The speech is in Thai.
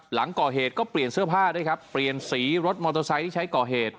หลังก่อเหตุก็เปลี่ยนเสื้อผ้าด้วยครับเปลี่ยนสีรถมอเตอร์ไซค์ที่ใช้ก่อเหตุ